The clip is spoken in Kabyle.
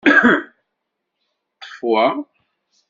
Ṭṭef wa.